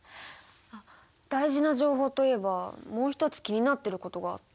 大事な情報といえばもう一つ気になってることがあって。